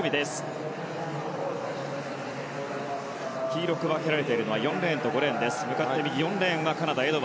黄色く分けられているのは４レーンと５レーンです。